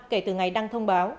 kể từ ngày đăng thông báo